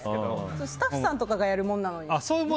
普通スタッフさんとかがやるものなのに。